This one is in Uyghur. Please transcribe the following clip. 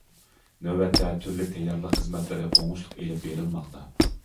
نۆۋەتتە، تۈرلۈك تەييارلىق خىزمەتلىرى ئوڭۇشلۇق ئېلىپ بېرىلماقتا.